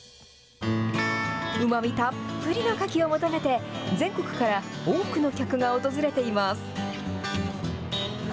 うまみたっぷりのカキを求めて、全国から多くの客が訪れています。